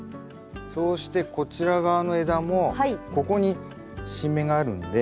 そうしてこちら側の枝もここに新芽があるんで。